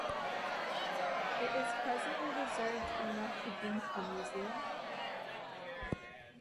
It is presently reserved in the Kubinka Museum.